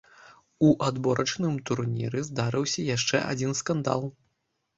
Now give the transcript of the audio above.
У адборачным турніры здарыўся яшчэ адзін скандал.